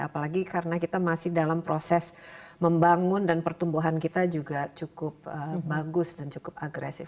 apalagi karena kita masih dalam proses membangun dan pertumbuhan kita juga cukup bagus dan cukup agresif